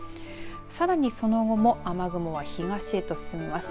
さらにその後も雨雲は東へと進みます。